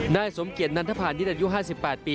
นายสมเกียรตินัทภาณในดันยุค๕๘ปี